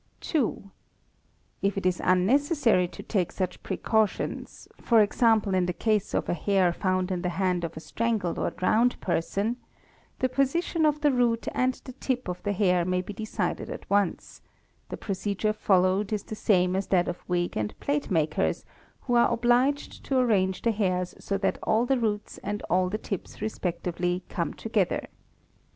| 2. If it is unnecessary to take such precautions, e.g., in the case of a hair found in the hand of a strangled or drowned person, the position of the root and the tip of the hair may be decided at once; the procedure followed is the same as that of wig and plait makers, who are obliged to arrange the hairs so that all the roots and all the tips respectively — come together.